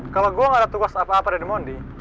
kalau gue gak ada tugas apa apa dari mondi